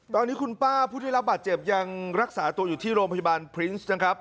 ตอนนี้คุณป้าผู้ได้รับบาดเจ็บยังรักษาตัวอยู่ที่โรงพยาบาลพรินส์นะครับ